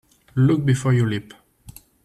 Look before you leap.